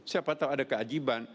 siapa tahu ada keajaiban